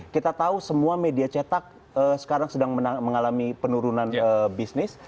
kita tahu semua media cetak sekarang sedang mengalami penurunan bisnis